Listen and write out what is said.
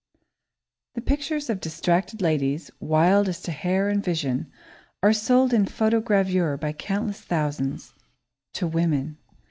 The pictures of distracted ladies, wild as to hair and vision, are sold in photogravure by countless thousands to women.